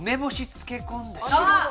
漬け込んだ汁。